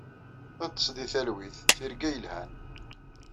Ḍḍes deg talwit. Tirga yelhan.